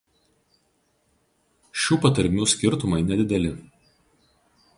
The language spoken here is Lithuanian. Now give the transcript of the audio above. Šių patarmių skirtumai nedideli.